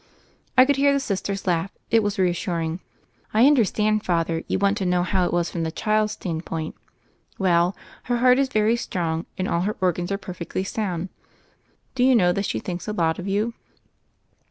I could hear the Sister's laugh: it was re assuring. "I understand. Father; you want to know how it was from the child's standpoint. Well, her heart is very strong, and all her organs are perfectly sound. Do you know that she thinks a lot of you